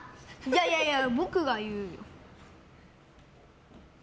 いやいや、僕が言うよ。